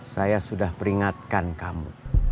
saya sudah peringatkan kamu